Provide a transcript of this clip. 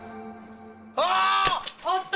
あーあった！